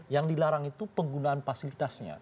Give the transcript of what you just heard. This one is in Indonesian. yang dilarang itu penggunaan fasilitasnya